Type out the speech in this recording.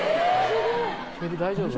首大丈夫？